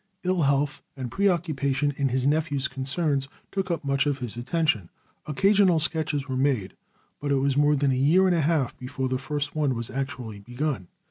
Ill health and preoccupation in his nephew's concerns took up much of his attention. Occasional sketches were made, but it was more than a year and a half before the first one was actually begun.